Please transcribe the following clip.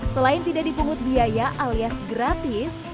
selain tidak dipungut biaya alias gratis